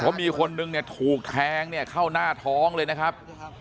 เพราะมีคนนึงถูกแท้งเข้าหน้าท้องเลยนะครับ